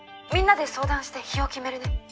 「みんなで相談して日を決めるね」